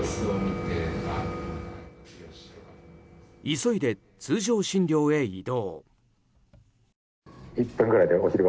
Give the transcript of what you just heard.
急いで通常診療へ移動。